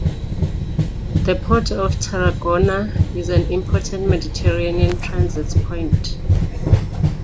The port of Tarragona is an important Mediterranean transit point.